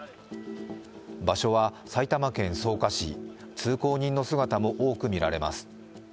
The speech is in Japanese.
場所は埼玉県草加市、通行人の姿も多く見られます。